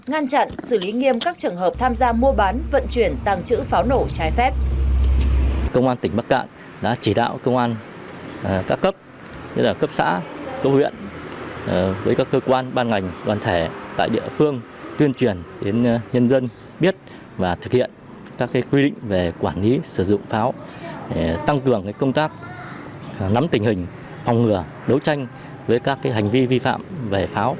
ngăn chặn xử lý nghiêm các trường hợp tham gia mua bán vận chuyển tăng trữ pháo nổ trái phép